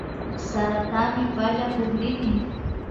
Saratami pallakukrini